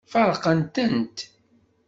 Feṛqen-tent.